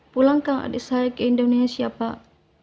pulangkan adik saya ke indonesia pak